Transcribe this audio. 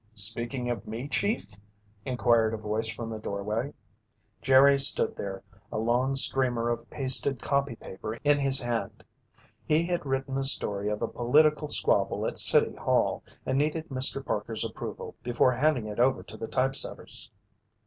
"Speaking of me, Chief?" inquired a voice from the doorway. Jerry stood there, a long streamer of pasted copy paper in his hand. He had written a story of a political squabble at city hall, and needed Mr. Parker's approval before handing it over to the typesetters.